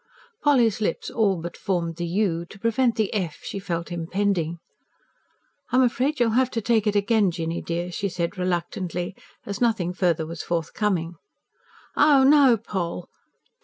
Polly's lips all but formed the "u," to prevent the "f" she felt impending. "I'm afraid you'll have to take it again, Jinny dear," she said reluctantly, as nothing further was forthcoming. "Oh, no, Poll.